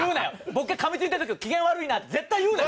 「ボケかみついてたけど機嫌悪いな」って絶対言うなよ。